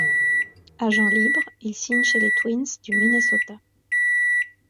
Agent libre, il signe chez les Twins du Minnesota.